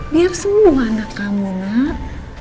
biar semua anak kamu nak